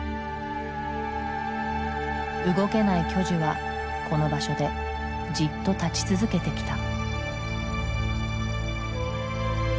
動けない巨樹はこの場所でじっと立ち続けてきた。